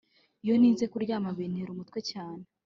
iyo ntinze kuryama bintera umutwe cyane